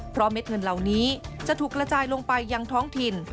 เพราะเม็ดเงินเหล่านี้จะถูกกระจายลงไปยังท้องถิ่น